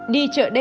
đi chợ đê